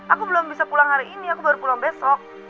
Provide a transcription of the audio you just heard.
aku belum bisa pulang hari ini aku baru pulang besok